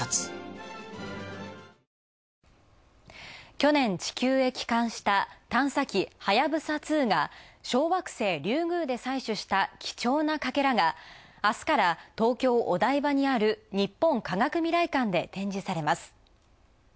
去年、地球へ帰還した探査機「はやぶさ２」が小惑星リュウグウで採取した貴重なかけらが、あすから東京・お台場にある日本科学未来館で展示されます。